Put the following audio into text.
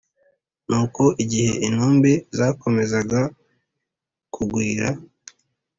Nuko igihe intumbi zakomezaga kugwira,